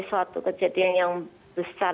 suatu kejadian yang besar